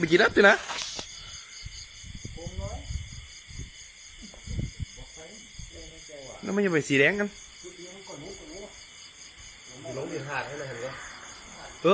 น้องมีอะไรสีแดงอ่ะโรงเรียนหาหรืออะไรหรือ